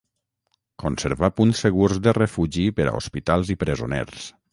Conservà punts segurs de refugi per a hospitals i presoners.